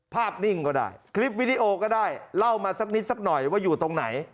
นิ่งก็ได้คลิปวิดีโอก็ได้เล่ามาสักนิดสักหน่อยว่าอยู่ตรงไหน